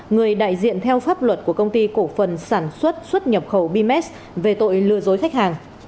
người đại diện theo pháp luật của công ty cổ phần sản xuất xuất nhập khẩu bms về tội lừa dối khách hàng